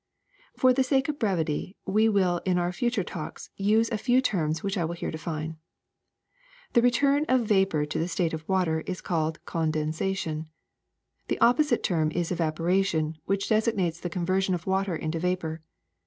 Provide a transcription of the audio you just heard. *^For the sake of brevity we will in our future talks use a few terms which I will here define. The return of vapor to the state of water is called con densation. The opposite term is evaporation, which designates the conversion of water into vapor.